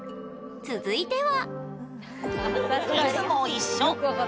続いては。